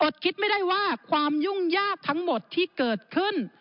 คิดไม่ได้ว่าความยุ่งยากทั้งหมดที่เกิดขึ้น